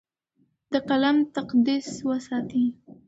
د قلم تقدس وساتئ.